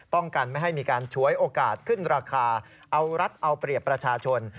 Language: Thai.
กันไม่ให้มีการฉวยโอกาสขึ้นราคาเอารัฐเอาเปรียบประชาชน